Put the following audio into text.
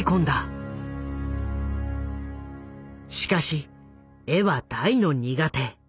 しかし絵は大の苦手。